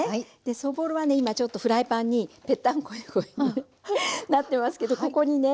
そぼろはね今ちょっとフライパンにぺったんこなってますけどここにね